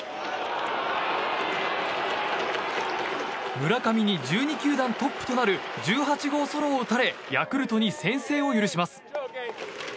村上に１２球団トップとなる１８号ソロを打たれヤクルトに先制を許します。